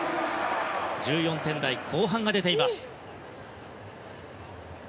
１４点台後半が出ています。